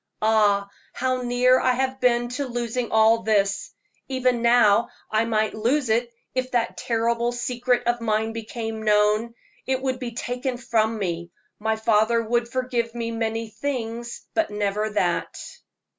Ah, how near I have been to losing all this; even now I might lose it if that terrible secret of mine became known it would be taken from me. My father would forgive me many things, but never that."